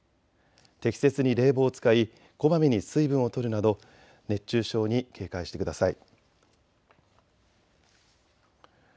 適切に冷房を使いこまめに水分をとるなど熱中症に警戒してください。